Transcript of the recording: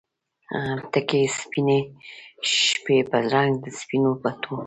تکې سپینې شپې په رنګ د سپینو بتو